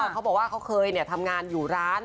เขาบอกว่าเขาเคยทำงานอยู่ร้าน